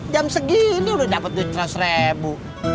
jam segini udah dapet duit seratus ribu